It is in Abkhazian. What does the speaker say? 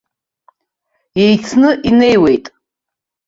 Еицны инеиуеит.